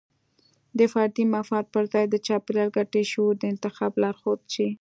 د فردي مفاد پر ځای د چاپیریال ګټې شعور د انتخاب لارښود شي.